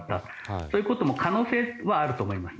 そういうことも可能性はあると思います。